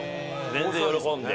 全然喜んで。